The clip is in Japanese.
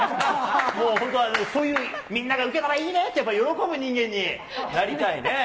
もう本当、そういうみんなが受けたらいいねってやっぱ喜ぶ人間になりたいね。